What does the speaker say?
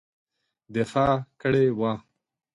دفاع کړې وه.